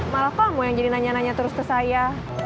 malah kamu yang jadi nanya nanya terus ke saya